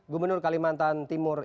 gubernur kalimantan timur